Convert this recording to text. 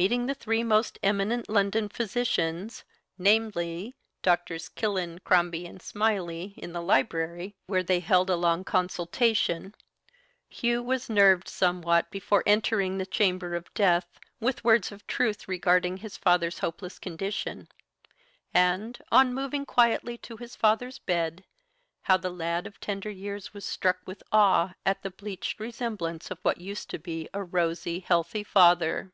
Meeting the three most eminent London physicians namely, Doctors Killen, Crombie, and Smiley, in the library, where they held a long consultation, Hugh was nerved somewhat before entering the chamber of death with words of truth regarding his father's hopeless condition; and, on moving quietly to his father's bed, how the lad of tender years was struck with awe at the bleached resemblance of what used to be a rosy, healthy father!